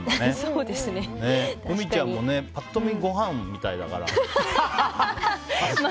うみちゃんもパッと見ご飯みたいだから。